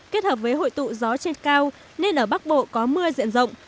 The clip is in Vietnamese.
kết hợp với hội tụ gió trên cao nên ở bắc bộ có mưa diện rộng